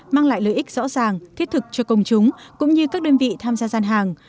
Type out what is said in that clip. mang lại lợi ích rõ ràng thiết thực cho công chúng cũng như các đơn vị tham gia gian hàng